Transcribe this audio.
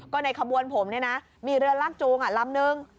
ก็ในขบวนผมเนี่ยนะมีเรือลากจูงลำนึง